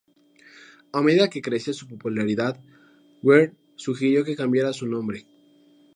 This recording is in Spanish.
A medida que crecía su popularidad, Ware sugirió que cambiara su nombre.